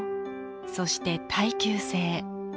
そして、耐久性。